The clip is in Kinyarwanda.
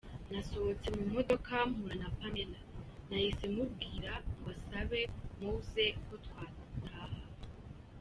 Nasohotse mu modoka mpura na Pamela, nahise mubwira ngo asabe Mowzey ko twataha.